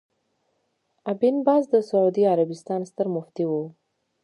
ابن باز د سعودي عربستان ستر مفتي وو